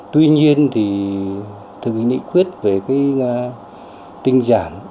tuy nhiên thì thực hiện nghị quyết về cái tinh giản